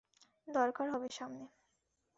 দরকার হবে সামনে!